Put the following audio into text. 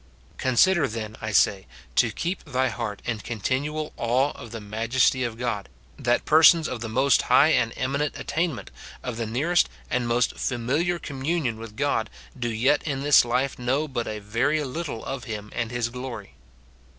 Consider, then, I say, to keep thy heart in continual aAve of the majesty of God, that persons of the most high and eminent attainment, of the nearest and most familiar communion with God, do yet in this life know but a very little of him and his glory.